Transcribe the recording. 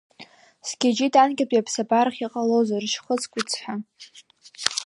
Сгьежьит анкьатәи аԥсабарахь, иҟалозар, шьхыцк, уцҳа!